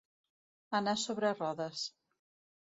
Anar sobre rodes.